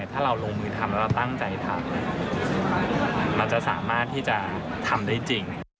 ถ้าเราลงมือทำแล้วเราตั้งใจทำมันจะสามารถที่จะทำได้จริง